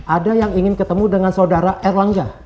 ada yang ingin ketemu dengan saudara erlangga